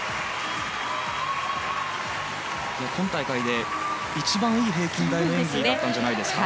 今大会で一番いい平均台の演技だったんじゃないですか。